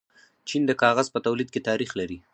چین د کاغذ په تولید کې تاریخ لري.